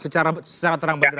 secara terang bergerak